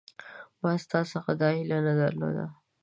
ما ستا څخه دا هیله نه درلوده